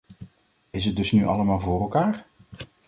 Is het dus nu allemaal voor elkaar?